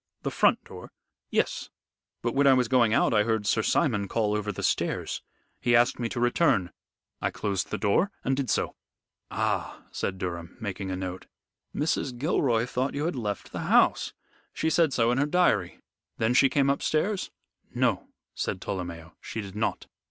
"The front door?" "Yes. But when I was going out I heard Sir Simon call over the stairs. He asked me to return. I closed the door and did so." "Ah!" said Durham, making a note. "Mrs. Gilroy thought you had left the house. She said so in her diary. Then she came upstairs?" "No," said Tolomeo, "she did not.